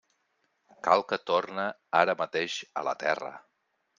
Cal que torne ara mateix a la Terra.